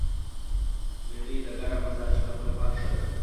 بېنډۍ د ګرم مزاج خلکو لپاره ښه ده